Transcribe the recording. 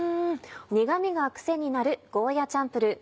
苦味がクセになる「ゴーヤチャンプルー」。